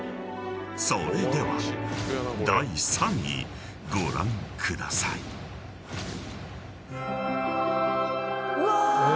［それでは第３位ご覧ください］うわ！